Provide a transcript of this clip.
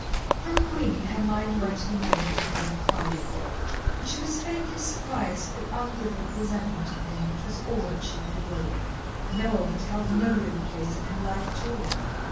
From Queenie, her mind went to the memory of Noel Cardew, and she was faintly surprised at the unvivid presentment of him which was all that she could evoke. Noel had held no real place in her life at all.